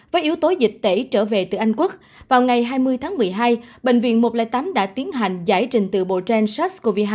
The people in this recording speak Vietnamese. với yếu tố dịch tễ trở về từ anh quốc vào ngày hai mươi tháng một mươi hai bệnh viện một trăm linh tám đã tiến hành giải trình từ bộ gen sars cov hai